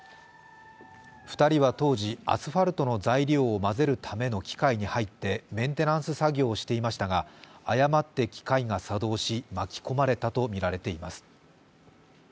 ２人は当時、アスファルトの材料を混ぜるための機械に入ってメンテナンス作業をしていましたが誤って機械が作動し、巻き込まれたとみられています。